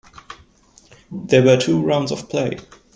There were two rounds of play.